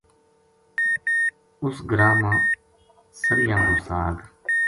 اس گراں ما سریاں کو ساگ